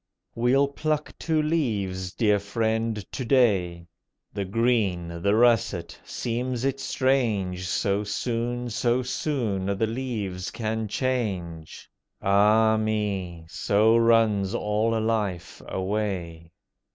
We'll pluck two leaves, dear friend, to day. The green, the russet! seems it strange So soon, so soon, the leaves can change! Ah me! so runs all life away.